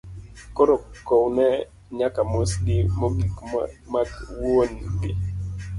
Koro kowne nyaka mos gi mogik mag wuon gi.